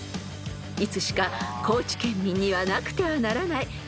［いつしか高知県民にはなくてはならない